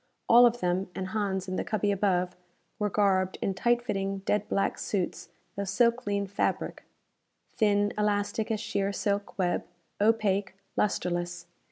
All of them, and Hans in the cubby above, were garbed in tight fitting dead black suits of silklene fabric. Thin, elastic as sheer silk web, opaque, lustreless.